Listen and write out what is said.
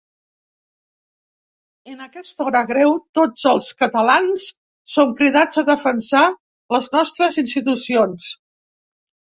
En aquesta hora greu tots els catalans som cridats a defensar les nostres institucions.